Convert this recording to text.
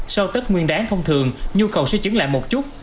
sau tết nguyên đáng thông thường nhu cầu sẽ chứng lại một chút